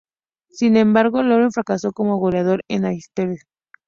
Sin embargo, Loren fracasó como goleador en el Athletic.